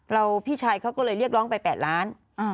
พี่ชายเขาก็เลยเรียกร้องไป๘ล้าน